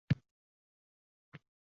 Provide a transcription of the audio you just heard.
Agar shu ish amalga oshsa